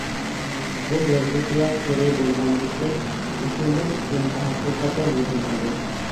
بۇ يازغۇچىلار تورى بولغاندىكىن مۇشۇنداق تېما ھەقىقەتەن مۇھىم ئىدى.